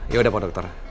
yaudah pak dokter